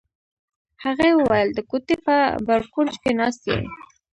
هغې وویل: د کوټې په بر کونج کې ناست یې.